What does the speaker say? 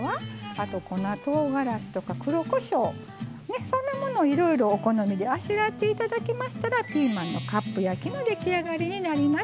あと粉とうがらしとか黒こしょうそんなものをいろいろお好みであしらって頂きましたらピーマンのカップ焼きの出来上がりになります。